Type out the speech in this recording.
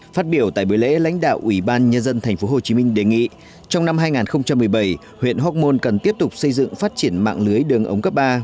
phát biểu tại buổi lễ lãnh đạo ủy ban nhân dân tp hcm đề nghị trong năm hai nghìn một mươi bảy huyện hóc môn cần tiếp tục xây dựng phát triển mạng lưới đường ống cấp ba